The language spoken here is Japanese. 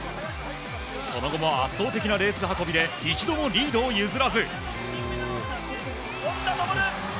その後も圧倒的なレース運びで一度もリードを譲らず。